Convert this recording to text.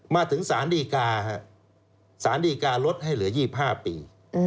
มาถึงสารดีกาสารดีการลดให้เหลือ๒๕ปี